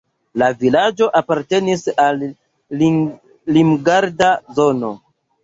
La vilaĝo apartenis al Limgarda zono.